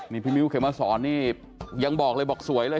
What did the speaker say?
นี่พี่มิ้วเขมมาสอนนี่ยังบอกเลยบอกสวยเลย